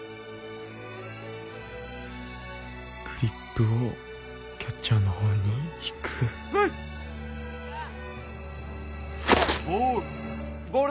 グリップをキャッチャーの方に引くボールボール